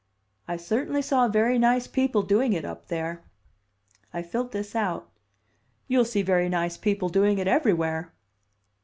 "I certainly saw very nice people doing it up there." I filled this out. "You'll see very nice people doing it everywhere."